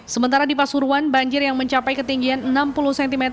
sementara di pasuruan banjir yang mencapai ketinggian enam puluh cm